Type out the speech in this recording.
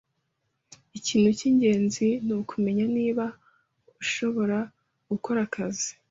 Ikintu cyingenzi nukumenya niba ushobora gukora akazi.